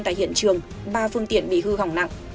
tại hiện trường ba phương tiện bị hư hỏng nặng